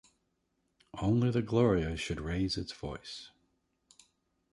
Only the Gloria should raise its voice.